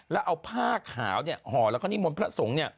แล้วเอาผ้าขาวห่อแล้วก็นิมนต์พระสงฆ์